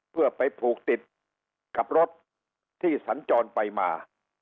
เพื่อไปผูกติดกับรถที่สัญจรไปมา